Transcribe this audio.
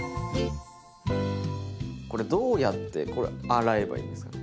どうやってこれ洗えばいいんですか？